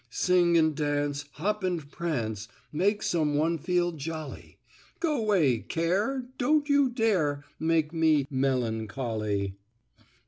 "Sing and dance, Hop and prance, Make some one feel jolly, Go 'way, care, Don't you dare Make me melancholy."